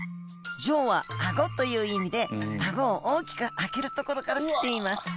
「ジョー」は「あご」という意味であごを大きく開けるところからきています。